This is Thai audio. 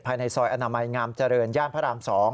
ภายในซอยอนามัยงามเจริญย่านพระราม๒